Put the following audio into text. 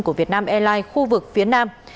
của việt nam airline khu vực phía nam